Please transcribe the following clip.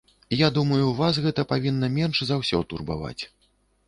Я думаю, вас гэта павінна менш за ўсё турбаваць.